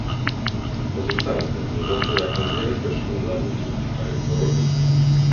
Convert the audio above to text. Odrzucamy tę filozofię jako niebezpieczną dla ludzi i krajów Europy